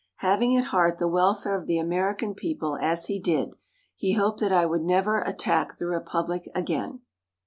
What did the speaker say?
Having at heart the welfare of the American people as he did, he hoped that I would never attack the republic again.